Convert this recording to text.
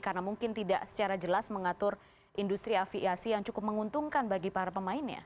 karena mungkin tidak secara jelas mengatur industri aviasi yang cukup menguntungkan bagi para pemainnya